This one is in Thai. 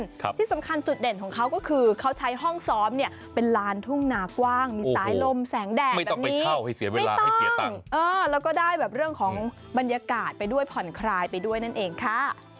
ครับที่สำคัญจุดเด่นของเขาก็คือเขาใช้ห้องซ้อมเนี่ยเป็นลานทุ่งนากว้างมีสายลมแสงแดดแบบนี้ไปเข้าให้เสียเวลาให้เสียตังค์เออแล้วก็ได้แบบเรื่องของบรรยากาศไปด้วยผ่อนคลายไปด้วยนั่นเองค่ะ